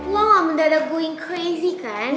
lo gak mendadak going crazy kan